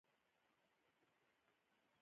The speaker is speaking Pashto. د ټوخي د شربت پر ځای د عسل اوبه وکاروئ